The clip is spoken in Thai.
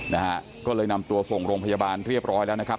นะฮะก็เลยนำตัวส่งโรงพยาบาลเรียบร้อยแล้วนะครับ